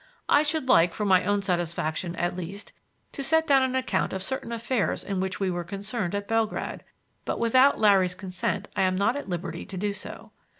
I should like, for my own satisfaction, at least, to set down an account of certain affairs in which we were concerned at Belgrad, but without Larry's consent I am not at liberty to do so.